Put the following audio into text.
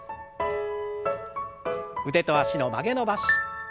腕と脚の曲げ伸ばし。